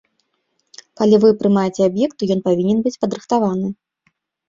Калі вы прымаеце аб'ект, то ён павінен быць падрыхтаваны.